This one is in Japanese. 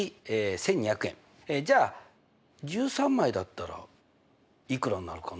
じゃあ１３枚だったらいくらになるかな？